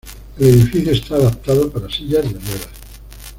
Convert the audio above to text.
El edificio está adaptado para sillas de ruedas.